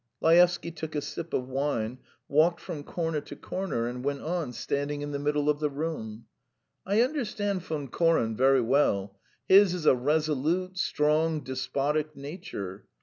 Laevsky took a sip of wine, walked from corner to corner and went on, standing in the middle of the room: "I understand Von Koren very well. His is a resolute, strong, despotic nature.